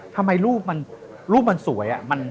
ทำไมรูปมันสวย